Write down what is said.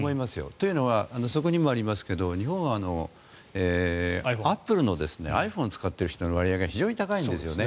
というのは、そこにもありますが日本はアップルのｉＰｈｏｎｅを使ってる人の割合が非常に高いんですよね。